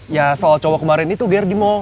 ya soal cowok kemarin itu gier di mall